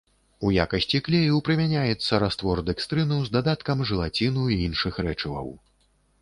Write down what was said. У якасці клею прымяняецца раствор дэкстрыну з дадаткам жэлаціну і іншых рэчываў.